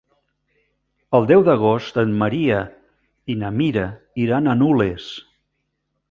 El deu d'agost en Maria i na Mira iran a Nules.